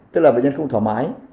tức là bệnh nhân không thoải mái